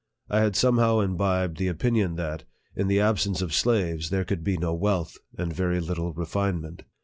I had somehow imbibed the opinion that, in the absence of slaves, there could be no wealth, and very little refinement.